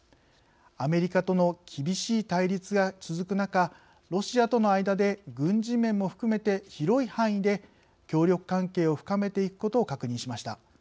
アメリカとの厳しい対立が続く中ロシアとの間で軍事面も含めて広い範囲で協力関係を深めていくことを確認しました。